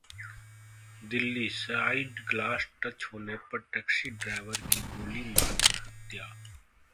Delhi side glass touch होने पर taxi driver की गोली मारकर हत्या